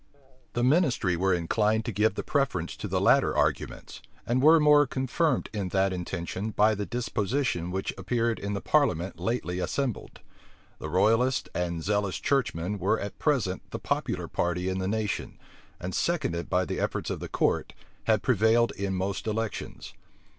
The ministry were inclined to give the preference to the latter arguments; and were the more confirmed in that intention by the disposition which appeared in the parliament lately assembled. The royalists and zealous churchmen were at present the popular party in the nation, and, seconded by the efforts of the court, had prevailed in most elections.